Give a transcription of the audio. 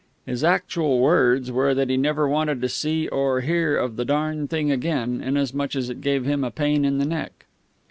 (His actual words were that he never wanted to see or hear of the darned thing again, inasmuch as it gave him a pain in the neck.)